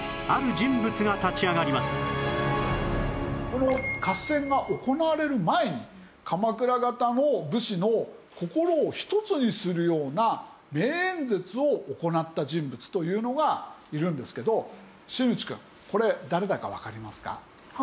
この合戦が行われる前に鎌倉方の武士の心を一つにするような名演説を行った人物というのがいるんですけど新内くんこれ誰だかわかりますか？